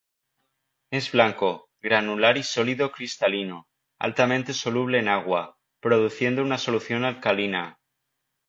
Es blanco, granular y sólido cristalino, altamente soluble en agua, produciendo una solución alcalina.